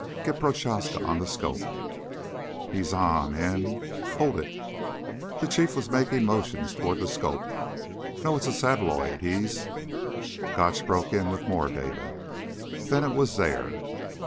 "Get Prochaska on the scope." "He's on and ... hold it." The Chief was making motions toward the scope. "No, it's the satelloid. He's " Gotch broke in with more data. Then it was there.